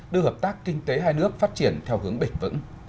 đưa hợp tác kinh tế hai nước phát triển theo hướng bền vững